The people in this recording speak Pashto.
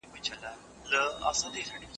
بس لکه تندر پر مځکه لوېږې